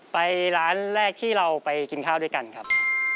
ไปร้านแรกที่เราไปกินข้าวด้วยกันครับ